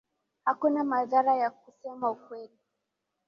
Hakuna madhara ya kusema ukweli